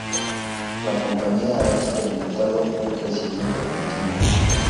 La compañía ha experimentado un crecimiento continúo.